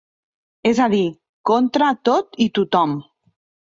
És a dir, contra tot i tothom.